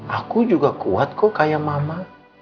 aku juga kuat kok kayak mama